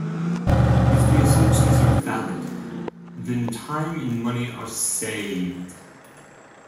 If the assumptions are valid, then time and money are saved.